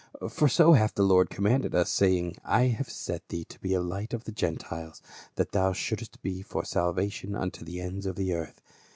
For so hath the Lord commanded us, saying :' I have set thee to be a light of the Gentiles, that thou shouldst be for salvation unto the ends of the earth.'